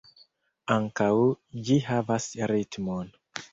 Ankaŭ ĝi havas ritmon.